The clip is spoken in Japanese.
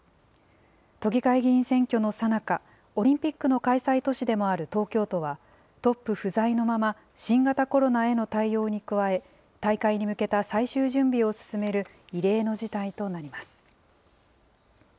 都議会議員選挙のさなか、オリンピックの開催都市でもある東京都は、トップ不在のまま新型コロナへの対応に加え、大会に向けた最終準備を進める異例の事態となります。